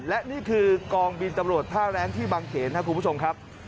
และนี่คือกองบินตำรวจท่าแรงที่บางเขนครับคุณผู้ชมครับ